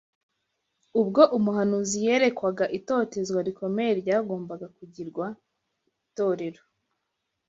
Ubwo umuhanuzi yerekwaga itotezwa rikomeye ryagombaga kugwira itorero